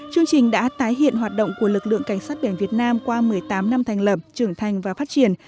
chương trình đã tái hiện hoạt động của lực lượng cảnh sát biển việt nam qua một mươi tám năm thành lập trưởng thành và phát triển